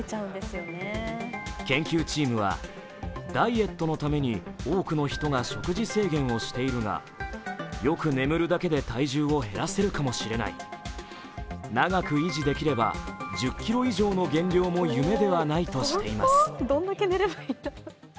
研究チームは、ダイエットのために多くの人が食事制限をしているがよく眠るだけで体重を減らせるかも知れない、長く維持できれば１０ｋｇ以上の減量も夢ではないとしています。